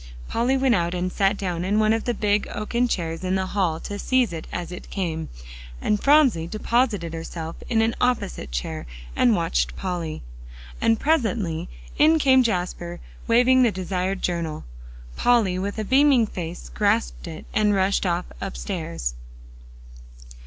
Polly went out, and sat down in one of the big oaken chairs in the hall to seize it as it came, and Phronsie deposited herself in an opposite chair, and watched Polly. And presently in came Jasper, waving the desired journal. Polly, with a beaming face, grasped it and rushed off upstairs.